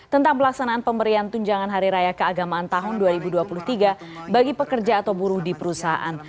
tentang pelaksanaan pemberian tunjangan hari raya keagamaan tahun dua ribu dua puluh tiga bagi pekerja atau buruh di perusahaan